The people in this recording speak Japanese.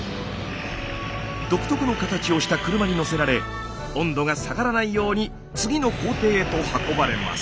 独特の形をした車に載せられ温度が下がらないように次の工程へと運ばれます。